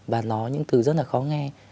và nói những thứ rất là khó nghe